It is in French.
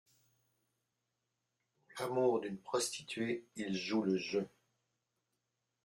Pour l'amour d'une prostituée, il joue le jeu.